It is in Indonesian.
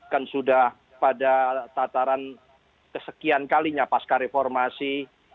kan sudah pada tataran kesekian kalinya pasca reformasi